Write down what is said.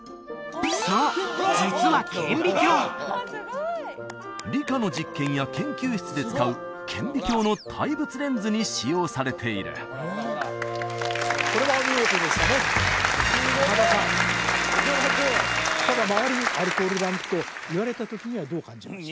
そう実は顕微鏡理科の実験や研究室で使う顕微鏡の対物レンズに使用されているこれはお見事でしたね岡田さんすごい！岡田君ただ周りにアルコールランプと言われた時にはどう感じました？